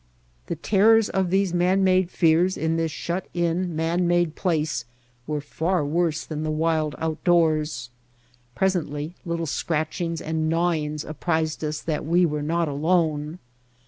The terrors of these man made fears in this shut in, man made place were far worse than the wild outdoors. Presently little scratchings and gnawings apprised us that we were not alone.